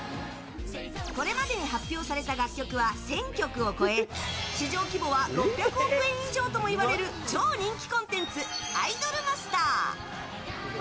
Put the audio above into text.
これまでに発表された楽曲は１０００曲を超え市場規模は６００億円以上ともいわれる超人気コンテンツ「アイドルマスター」。